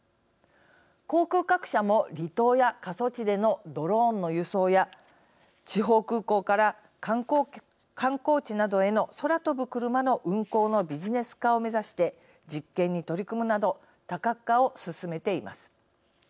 航空各社も離島や過疎地でのドローンの輸送や地方空港から観光地などへの空飛ぶ車の運行のビジネス化を目指して実験に取り組むなど多角化を進めています。